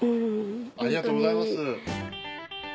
ありがとうございます。